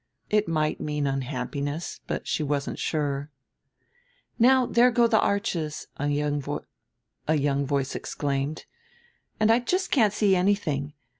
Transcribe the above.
It might mean unhappiness, but she wasn't sure. "Now there go the arches!" a young voice exclaimed, "and I just can't see anything.